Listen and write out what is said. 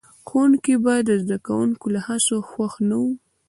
ښوونکي به د زده کوونکو له هڅو خوښ نه وو.